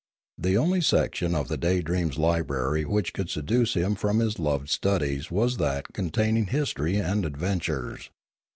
The only section of the Daydream's library which could seduce him from his loved studies was that containing history and adventures.